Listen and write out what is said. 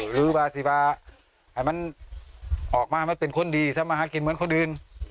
หรือวาซีบาให้มันออกมามันเป็นคนดีทำมาหากินเหมือนคนอื่น